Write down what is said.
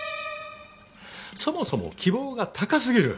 そもそも希望が高すぎる！